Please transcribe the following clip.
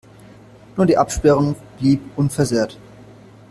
Nur die Absperrung blieb unversehrt.